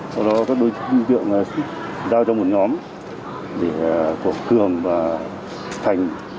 sau đó các đối tượng giao cho một nhóm để của cường và thành